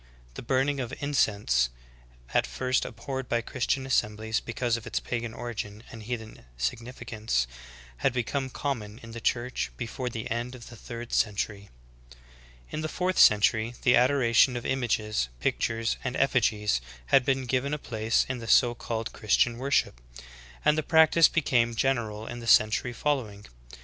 The burning of in cense, at first abhorred by Christian assemblies because of its pagan origin and heathen significance, had become com mon in the Church before the end of the third century. ( 7. In the fourth century the adoration of images, pic tures, and effigies, had been given a place in the so called Christian worship; and the practice became general in the century following.